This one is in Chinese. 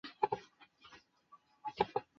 赠台州刺史。